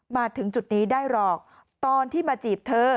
มาถึงจุดนี้ได้หรอกตอนที่มาจีบเธอ